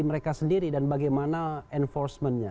mereka sendiri dan bagaimana